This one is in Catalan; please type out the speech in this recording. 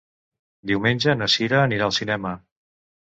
Diumenge na Cira anirà al cinema.